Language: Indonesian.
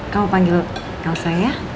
kamu panggil elsa ya